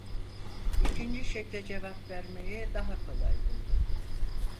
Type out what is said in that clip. İkinci şekle cevap vermeyi daha kolay buldu.